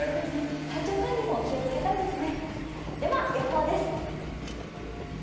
体調管理も気をつけたいですね。